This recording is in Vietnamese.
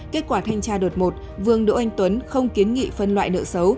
kết quả thanh tra đợt một vương đỗ anh tuấn không kiến nghị phân loại nợ xấu